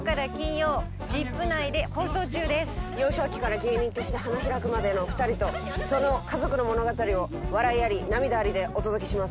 幼少期から芸人として花開くまでの２人とその家族の物語を笑いあり涙ありでお届けします。